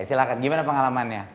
silahkan gimana pengalamannya